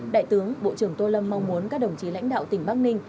đại tướng bộ trưởng tô lâm mong muốn các đồng chí lãnh đạo tỉnh bắc ninh